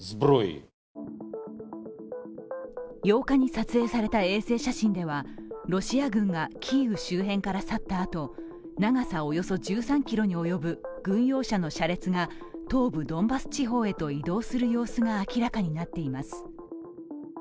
８日に撮影された衛星ではロシア軍がキーウ周辺から去ったあと長さおよそ１３ｋｍに及ぶ軍用車の車列が東部ドンバス地方へと移動する様子が明らかになっています。